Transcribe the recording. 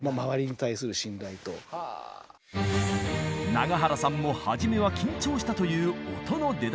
長原さんもはじめは緊張したという音の出だし。